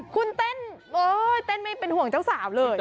คุณเต้นไม่เป็นห่วงเจ้าสาวเลย